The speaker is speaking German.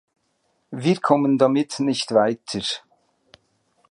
Wir kommen damit nicht weiter.